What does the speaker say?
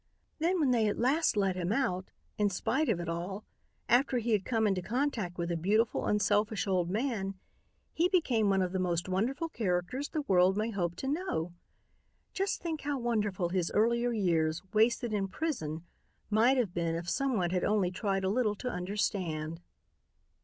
Then when they at last let him out, in spite of it all, after he had come into contact with a beautiful, unselfish old man, he became one of the most wonderful characters the world may hope to know. Just think how wonderful his earlier years, wasted in prison, might have been if someone had only tried a little to understand."